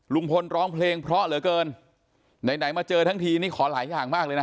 ลุงพลร้องเพลงเพราะเหลือเกินไหนมาเจอทั้งทีนี่ขอหลายอย่างมากเลยนะ